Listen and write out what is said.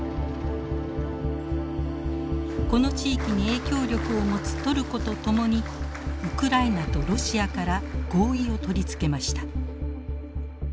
この地域に影響力を持つトルコと共にウクライナとロシアから合意を取り付けました。